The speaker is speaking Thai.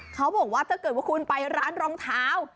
เขาบอกว่าถ้าเกิดว่าคุณไปร้านรองเท้า